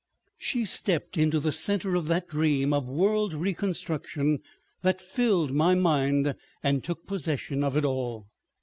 She stepped into the center of that dream of world reconstruction that filled my mind and took possession of it all.